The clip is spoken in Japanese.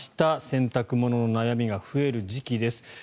洗濯物の悩みが増える時期です。